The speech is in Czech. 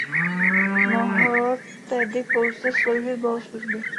Mohl tedy pouze sloužit bohoslužby.